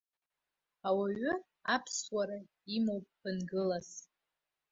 Ауаҩы аԥсуара имоуп ԥынгылас!